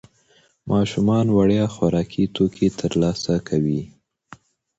ماشومان وړیا خوراکي توکي ترلاسه کوي.